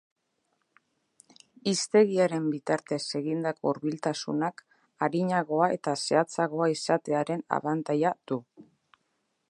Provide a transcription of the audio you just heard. Hiztegiaren bitartez egindako hurbiltasunak arinagoa eta zehatzagoa izatearen abantaila du.